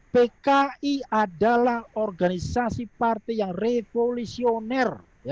pki adalah organisasi partai yang revolusioner